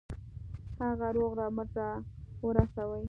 هغه روغ رمټ را ورسوي.